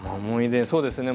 そうですね